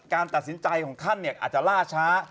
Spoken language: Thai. การตัดสินใจของท่านอาจจะล่าช้า